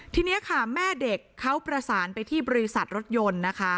ทีนี้ค่ะแม่เด็กเขาประสานไปที่บริษัทรถยนต์นะคะ